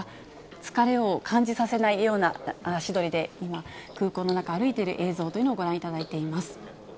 疲れを感じさせないような足取りで今、空港の中、歩いている映像というのをご覧いただいています。